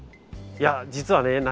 いや実はね